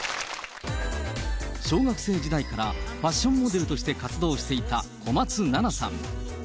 小学生時代からファッションモデルとして活動していた小松菜奈さん。